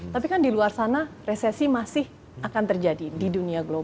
tapi kan di luar sana resesi masih akan terjadi di dunia global